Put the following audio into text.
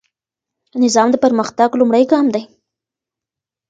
نظم د پرمختګ لومړی ګام دی.